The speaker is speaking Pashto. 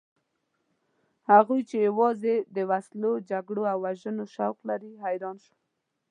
هغوی چې یوازې د وسلو، جګړو او وژنو شوق لري حیران شول.